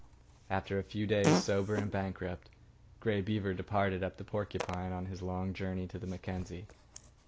After a few days, sober and bankrupt, Grey Beaver departed up the Porcupine on his long journey to the Mackenzie.